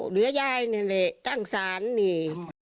เหลือยายนี่แหละตั้งสารนี่